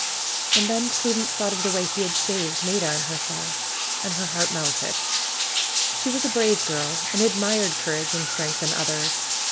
And then Prudence thought of the way he had saved Maida and herself, and her heart melted. She was a brave girl, and admired courage and strength in others.